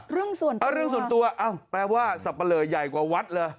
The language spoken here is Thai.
เรื่องส่วนตัวเรื่องส่วนตัวอ้าวแปลว่าสับปะเลอใหญ่กว่าวัดเลย